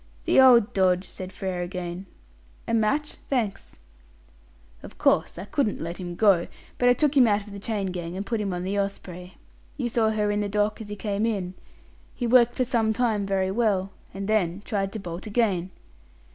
"The old dodge," said Frere again. "A match? Thanks." "Of course, I couldn't let him go; but I took him out of the chain gang, and put him on the Osprey. You saw her in the dock as you came in. He worked for some time very well, and then tried to bolt again."